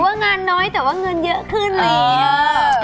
หรือว่างานน้อยแต่ว่าเงินเยอะขึ้นเลย